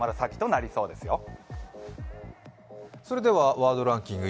ワードランキング